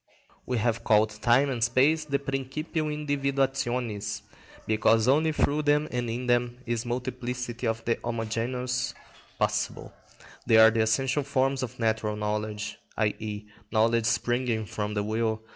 We have called time and space the principium individuationis, because only through them and in them is multiplicity of the homogeneous possible. They are the essential forms of natural knowledge, i.e., knowledge springing from the will.